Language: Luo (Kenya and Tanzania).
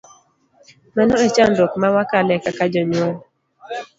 Mano e chandruok ma wakale kaka jonyuol.